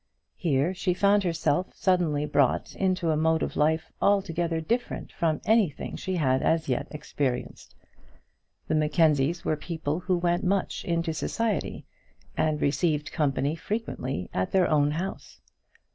Here she found herself suddenly brought into a mode of life altogether different from anything she had as yet experienced. The Mackenzies were people who went much into society, and received company frequently at their own house.